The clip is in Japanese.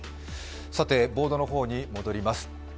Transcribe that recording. ボードの方に戻ります。